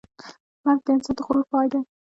مرګ د انسان د غرور پای دی.